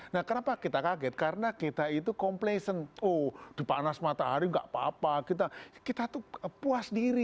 nah kenapa kita kaget karena kita itu complation oh di panas matahari gak apa apa kita tuh puas diri